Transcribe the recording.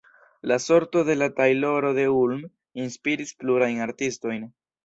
La sorto de la "tajloro de Ulm" inspiris plurajn artistojn.